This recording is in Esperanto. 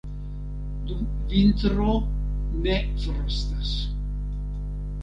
Dum vintro ne frostas.